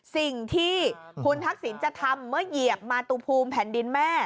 สิ่งที่คุณทักษิณจะทำเมื่อเหยียบมาตุภูมิแผ่นดินแม่